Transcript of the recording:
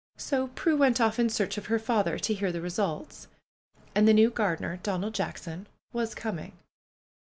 So Prue went off in search of her father to hear the results. And the new gardener, Donald J ackson, was coming.